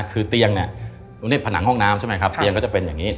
คือเตียงเนี่ยตรงนี้ผนังห้องน้ำใช่ไหมครับเตียงก็จะเป็นอย่างนี้